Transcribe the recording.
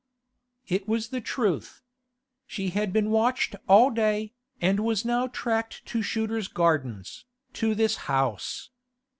It was the truth. She had been watched all day, and was now tracked to Shooter's Gardens, to this house.